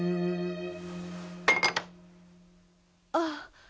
ああ。